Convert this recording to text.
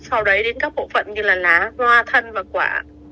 sau đấy đến các bộ phận như là lá hoa thân và quả